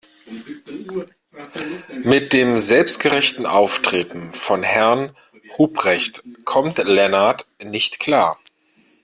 Mit dem selbstgerechten Auftreten von Herrn Ruprecht kommt Lennart nicht klar.